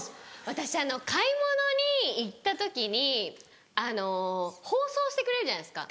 私買い物に行った時にあの包装してくれるじゃないですか。